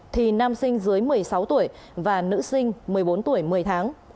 thì nam sinh dưới một mươi sáu tuổi và nữ sinh một mươi bốn tuổi một mươi tháng